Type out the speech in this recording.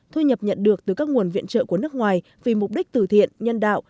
thu nhập nhận được từ các nguồn viện trợ của nước ngoài vì mục đích tử thiện nhân đạo